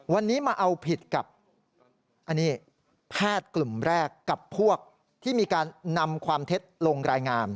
วันนี้มาเอาผิดกับอันนี้แพทย์กลุ่มแรกกับพวกที่มีการนำความเท็จลงรายงาน